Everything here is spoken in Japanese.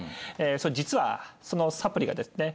実はそのサプリがですね